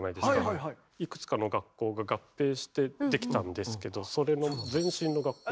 いくつかの学校が合併してできたんですけどそれの前身の学校。